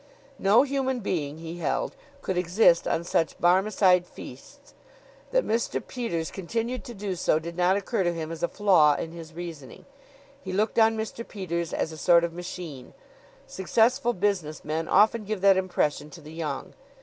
No human being, he held, could exist on such Barmecide feasts. That Mr. Peters continued to do so did not occur to him as a flaw in his reasoning. He looked on Mr. Peters as a sort of machine. Successful business men often give that impression to the young.